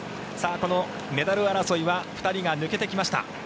このメダル争いは２人が抜けてきました。